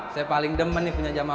saya paling demen nih punya jamaah